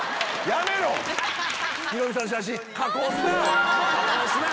ヒロミさんの写真加工すな！